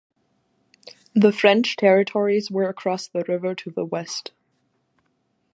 The French territories were across the river to the west.